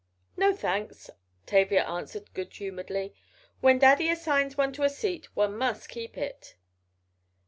"No, thanks," Tavia answered, good humoredly. "When Daddy assigns one to a seat one must keep it."